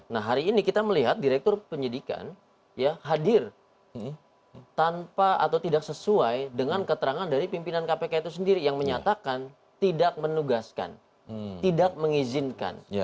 nah hari ini kita melihat direktur penyidikan ya hadir tanpa atau tidak sesuai dengan keterangan dari pimpinan kpk itu sendiri yang menyatakan tidak menugaskan tidak mengizinkan